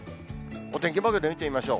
お天気マークで見てみましょう。